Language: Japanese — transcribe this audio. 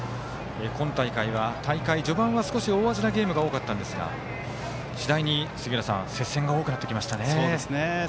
今大会は大会序盤は少し大味なゲームが多かったんですが次第に接戦が多くなってきましたね。